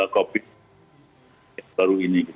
covid sembilan belas baru ini